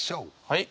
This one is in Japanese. はい。